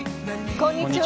こんにちは。